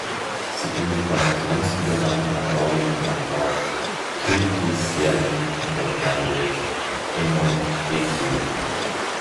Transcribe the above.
Sie endet beim Grenzübergang nach Norwegen beim Dorf Kilpisjärvi in der Gemeinde Enontekiö.